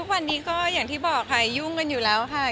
วันนี้ก็อย่างที่บอกค่ะยุ่งกันอยู่แล้วค่ะ